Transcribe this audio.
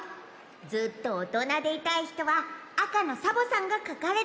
ずっとおとなでいたいひとはあかのサボさんがかかれているほうを。